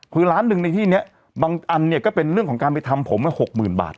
คือล้านหนึ่งในที่นี้บางอันเนี่ยก็เป็นเรื่องของการไปทำผม๖๐๐๐บาท